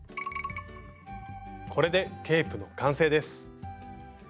これでケープの完成です！